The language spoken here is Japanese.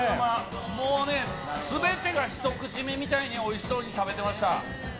もうね、すべてがひと口目みたいにおいしそうに食べてました。